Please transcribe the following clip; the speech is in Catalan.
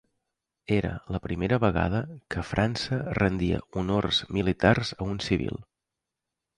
Era la primera vegada que França rendia honors militars a un civil.